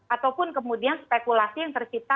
ataupun kemudian spekulasi yang tercipta